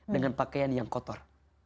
dengan pakaian yang kotor